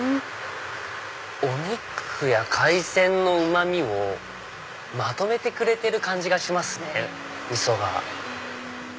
お肉や海鮮のうま味をまとめてくれてる感じがしますね味噌が。